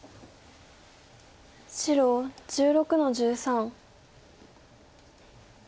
白１６の十三。